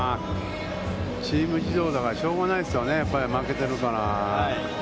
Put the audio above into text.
チーム事情だからしょうがないですけどね、負けてるから。